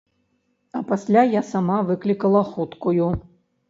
А пасля я сама выклікала хуткую.